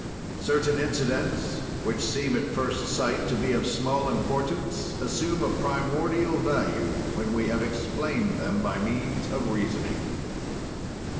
"Certain incidents, which seem at first sight to be of small importance, assume a primordial value when we have explained them by means of reasoning.